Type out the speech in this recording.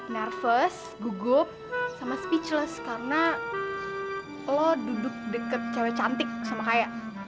nervous gugup sama speechless karena lo duduk deket cewek cantik sama kayak